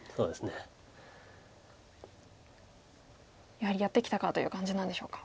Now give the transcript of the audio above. やはりやってきたかという感じなんでしょうか。